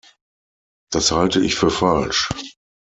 Das halte ich für falsch.